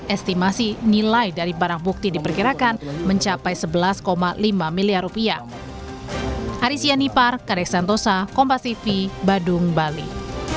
estimasi nilai dari barang bukti diperkirakan mencapai sebelas lima miliar rupiah